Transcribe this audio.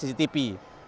dan operator cctv